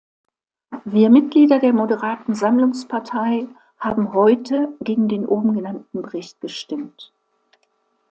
Wir Mitglieder der Moderaten Sammlungspartei haben heute gegen den oben genannten Bericht gestimmt.